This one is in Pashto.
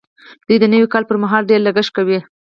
دوی د نوي کال پر مهال ډېر لګښت کوي.